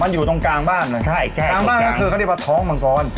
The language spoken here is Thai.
มันอยู่ตรงกลางบ้านใช่ตรงกลางบ้านก็คือเขาได้ประท้องเหมือนก่อน